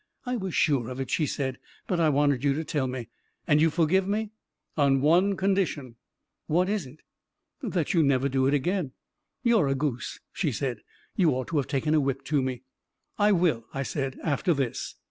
" I was sure of it," she said; " but I wanted you to tell me. And you forgive me ?"" On one condition." " What is it? "" That you never do it again !"" You're a goose !" she said. " You ought to have taken a whip to me !" "I will," I said, "after this!"